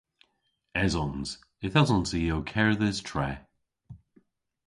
Esons. Yth esons i ow kerdhes tre.